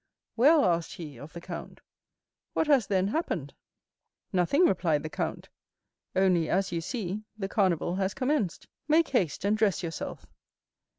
"Well," asked he of the count, "what has, then, happened?" "Nothing," replied the count; "only, as you see, the Carnival has commenced. Make haste and dress yourself."